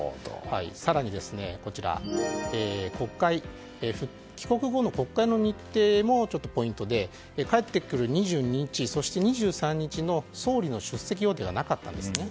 更に、帰国後の国会の日程もポイントで、帰ってくる２２日そして２３日の総理の出席予定はなかったんですね。